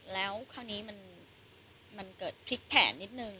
แล้วคราวนี้มันเกิดพลิกแผนนิดนึง